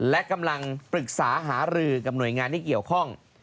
และกำลังปรึกษาหารือกับหน่วยงานที่เกี่ยวข้อง